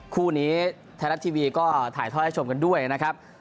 คู่นี้ไทยรัฐทีวีก็ถ่ายทอดให้ชมกันด้วยนะครับ